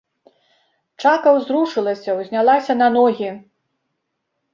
Чака ўзрушылася, узнялася на ногі.